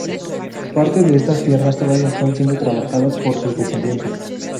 Parte de estas tierras todavía están siendo trabajadas por sus descendientes.